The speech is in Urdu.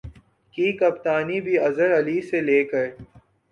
کی کپتانی بھی اظہر علی سے لے کر